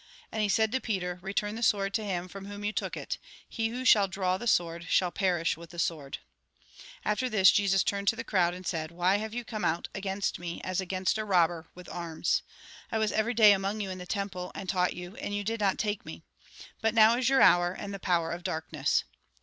And he said to Peter :" Eeturn the sword to him from whom you took it ; he who shall draw the sword, shall perish with the sword." And after this, Jesus turned to the crowd, and said :" Why have you come out against me, as against a robber, with arms ? I was every day among you in the temple, and taught you, and you did not take me. But now is your hour, and the power of darkness."